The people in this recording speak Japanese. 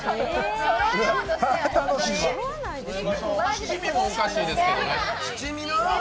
七味もおかしいですけどね